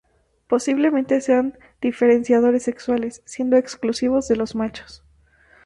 Posiblemente sean diferenciadores sexuales, siendo exclusivos de los machos.